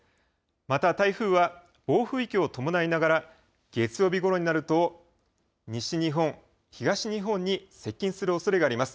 また台風は暴風域を伴いながら、月曜日ごろになると西日本、東日本に接近するおそれがあります。